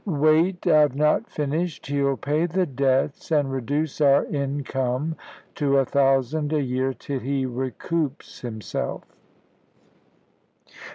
"Wait, I've not finished. He'll pay the debts, and reduce our income to a thousand a year till he recoups himself."